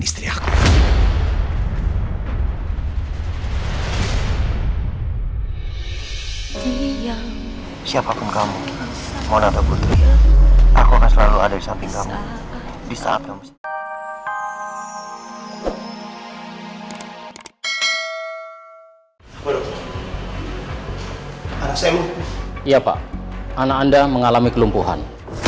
iya pak anak anda mengalami kelumpuhan